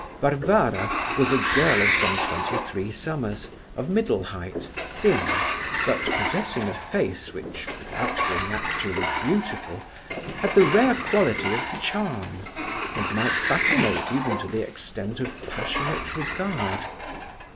Varvara was a girl of some twenty three summers, of middle height, thin, but possessing a face which, without being actually beautiful, had the rare quality of charm, and might fascinate even to the extent of passionate regard.